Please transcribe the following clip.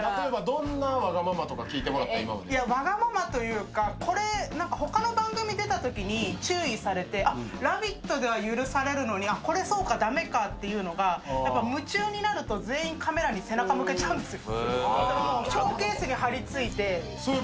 わがままというか他の番組に出たときに注意されて「ラヴィット！」では許されるのに、これ、そうか、駄目かっていうのが、夢中になると全員カメラに背中向けちゃうんですよ。